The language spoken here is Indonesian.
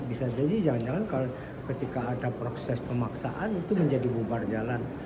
bisa jadi jangan jangan ketika ada proses pemaksaan itu menjadi bubar jalan